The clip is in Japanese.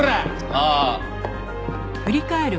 ああ！？